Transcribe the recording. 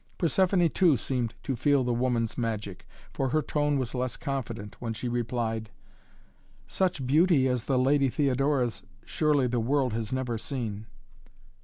Persephoné, too, seemed to feel the woman's magic, for her tone was less confident when she replied: "Such beauty as the Lady Theodora's surely the world has never seen."